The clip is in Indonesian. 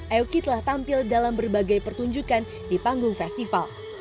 aoki telah tampil dalam berbagai pertunjukan di panggung festival